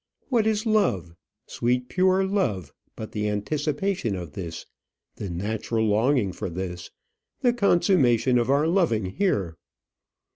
What is love, sweet pure love, but the anticipation of this, the natural longing for this, the consummation of our loving here?